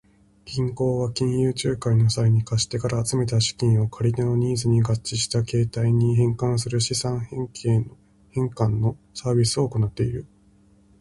銀行は金融仲介の際に、貸し手から集めた資金を借り手のニーズに合致した形態に変換する資産変換のサービスを行っている。